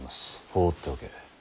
放っておけ。